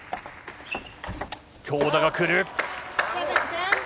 強打が来る。